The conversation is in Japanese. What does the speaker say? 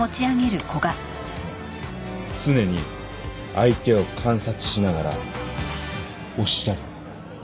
常に相手を観察しながら押したり引いたり。